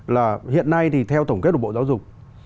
là hiện nay thì theo tổng kết của bộ giáo dục